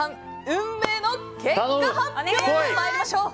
運命の結果発表まいりましょう。